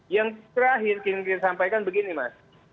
yang terakhir kini kini sampaikan begini mas